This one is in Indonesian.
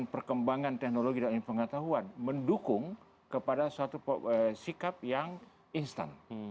perkembangan teknologi dan pengetahuan mendukung kepada suatu sikap yang instan